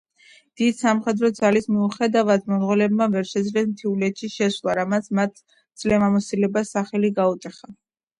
დიდი სამხედრო ძალის მიუხედავად მონღოლებმა ვერ შეძლეს მთიულეთში შესვლა, რამაც მათ ძლევამოსილებას სახელი გაუტეხა.